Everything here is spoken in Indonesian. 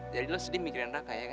jadi lo sedih mikirin raka ya kan